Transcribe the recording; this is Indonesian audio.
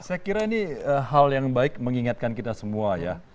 saya kira ini hal yang baik mengingatkan kita semua ya